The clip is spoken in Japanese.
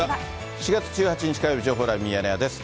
４月１８日火曜日、情報ライブミヤネ屋です。